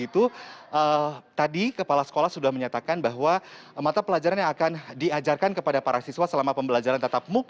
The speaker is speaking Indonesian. tadi kepala sekolah sudah menyatakan bahwa mata pelajaran yang akan diajarkan kepada para siswa selama pembelajaran tatap muka